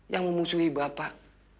yang memusuhi bapak